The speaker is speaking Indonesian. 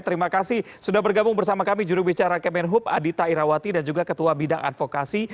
terima kasih sudah bergabung bersama kami jurubicara kemenhub adita irawati dan juga ketua bidang advokasi